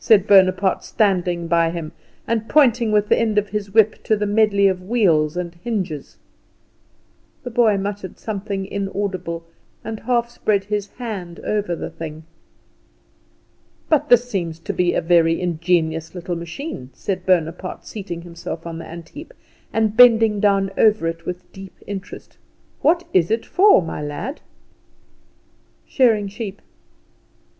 said Bonaparte, standing by him, and pointing with the end of his whip to the medley of wheels and hinges. The boy muttered something inaudible, and half spread over the thing. "But this seems to be a very ingenious little machine," said Bonaparte, seating himself on the antheap, and bending down over it with deep interest. "What is it for, my lad?" "Shearing sheep."